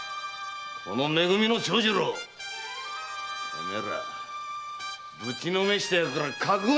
このめ組の長次郎きさまらぶちのめしてやるから覚悟しやがれ！